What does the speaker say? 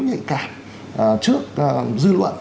nhạy cảm trước dư luận